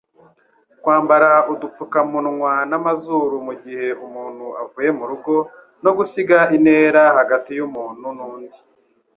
kwambara udupfukamunwa n'amazuru mu gihe umuntu avuye mu rugo, no gusiga intera hagati y'umuntun'undi.